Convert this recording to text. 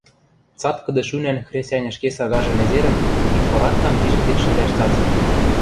цаткыды шӱнӓн хресӓнь ӹшке сагажы незерӹм, икпораткам пижӹктен шӹндӓш цацен